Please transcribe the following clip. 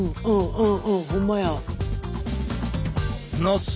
うん。